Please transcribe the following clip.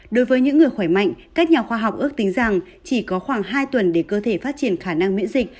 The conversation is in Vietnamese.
đối với những người khỏe mạnh các nhà khoa học ước tính rằng chỉ có khoảng hai tuần để cơ thể phát triển khả năng miễn dịch